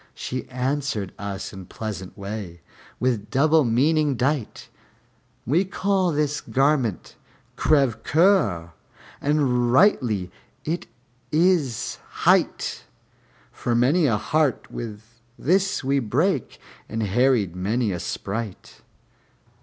She answered us in pleasant way, with double meaning dight, "We call this garment crève coeur; and rightly is it hight, For many a heart wi' this we brake and harried many a sprite."